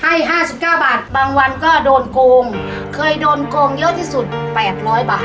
ให้ห้าสิบเก้าบาทบางวันก็โดนโกงเคยโดนโกงเยอะที่สุด๘๐๐บาท